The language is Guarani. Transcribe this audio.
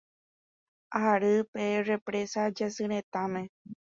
Ary pe Represa Jasyretãme.